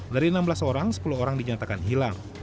dari enam belas orang sepuluh orang dinyatakan hilang